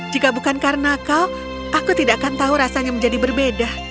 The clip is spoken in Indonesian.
jika bukan karena kau aku tidak akan tahu rasanya menjadi berbeda